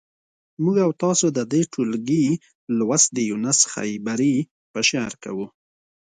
موږ او تاسو د دې ټولګي لوست د یونس خیبري په شعر کوو.